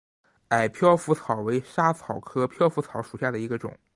矮飘拂草为莎草科飘拂草属下的一个种。